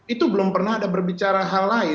itu belum pernah ada berbicara hal lain